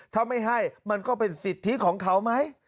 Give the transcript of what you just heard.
ถ้าไม่ให้มันก็เป็นสิทธิของเขาไหม